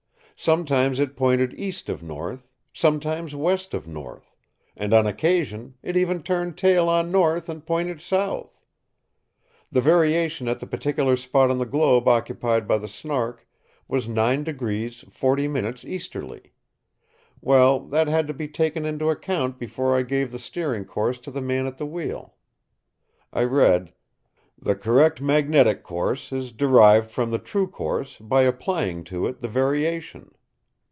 Sometimes it pointed east of north, sometimes west of north, and on occasion it even turned tail on north and pointed south. The variation at the particular spot on the globe occupied by the Snark was 9° 40′ easterly. Well, that had to be taken into account before I gave the steering course to the man at the wheel. I read: "The Correct Magnetic Course is derived from the True Course by applying to it the variation."